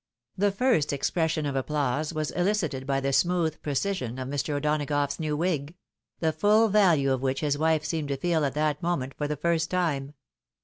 The first expression of applause was elicited by the smooth precision of Mr. O'Donagough's new wig; the full value of which his wife seemed to feel at that moment for the first time.